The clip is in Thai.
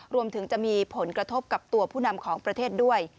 รวมถึงจะมีผลกระทบกับตัวผู้นำของประเทศด้วย